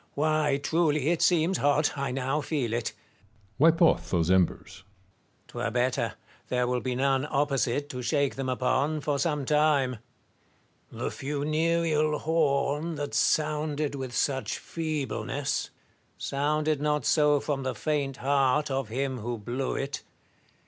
Why, truly, it seems hot : I now feel it. Metellus. Wipe off those embers. Marius. 'Twere better : there will be none opposite to shake them upon, for some time. Tlie funereal horn, that sounded with such feebleness, sounded not so from the faint heart of him who blew it.